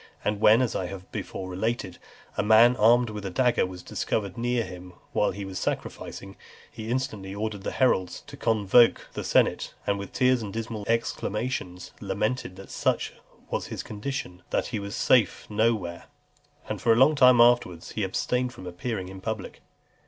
And when, as I have before related, a man armed with a dagger was discovered near him while he was sacrificing, he instantly ordered the heralds to convoke the senate, and with tears and dismal exclamations, lamented that such was his condition, that he was safe no where; and for a long time afterwards he abstained from appearing in public.